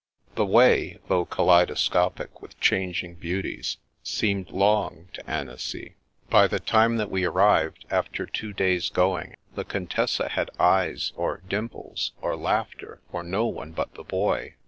The way, though kaleidoscopic with changing beauties, seemed long to Annecy. By the time that we arrived, after two days' going, the Contessa had eyes or dimples or laughter for no one but the Boy.